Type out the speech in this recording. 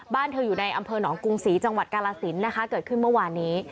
เธออยู่ในอำเภอหนองกรุงศรีจังหวัดกาลสินนะคะเกิดขึ้นเมื่อวานนี้